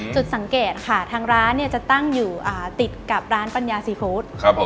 จุดสังเกตค่ะทางร้านจะตั้งอยู่ติดกับร้านปัญญาซีฟู้ด